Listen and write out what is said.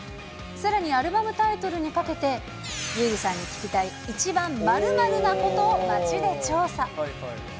さらにアルバムタイトルにかけて、優里さんに聞きたい、壱番○○なことを街で調査。